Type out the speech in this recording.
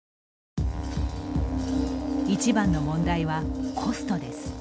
一番の問題はコストです。